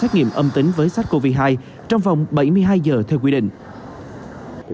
xét nghiệm âm tính với sars cov hai trong vòng bảy mươi hai giờ theo quy định